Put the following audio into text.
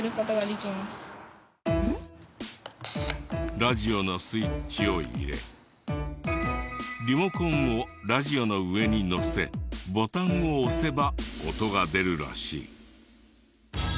ラジオのスイッチを入れリモコンをラジオの上にのせボタンを押せば音が出るらしい。